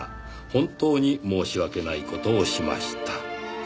本当に申し訳ない事をしました」